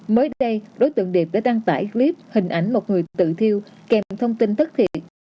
mới đây đối tượng điệp đã đăng tải clip hình ảnh một người tự thiêu kèm thông tin thất thiệt